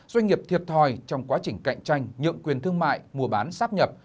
doanh nghiệp thiệt thòi trong quá trình cạnh tranh nhượng quyền thương mại mua bán sáp nhập